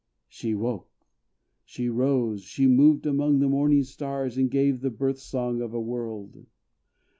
She woke! She rose She moved among the morning stars, and gave The birth song of a world.